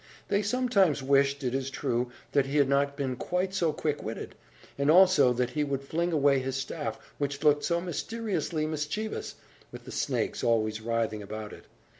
They sometimes wished, it is true, that he had not been quite so quick witted, and also that he would fling away his staff, which looked so mysteriously mischievous, with the snakes always writhing about it.